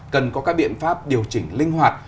cần có các biện pháp điều chỉnh linh hoạt